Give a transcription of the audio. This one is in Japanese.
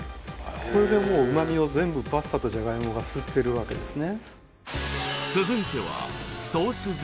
これでもう旨味を全部パスタとジャガイモが吸ってるわけですね